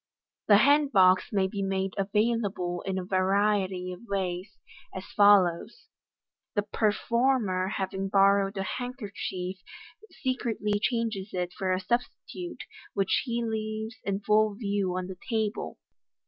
The hand box may be made available in a variety of ways, as follows: The performer having borrowed a handkerchief, secretly changes it for a substitute, which he leaves in full view on the table.